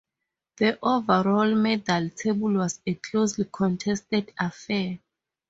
The overall medal table was a closely contested affair.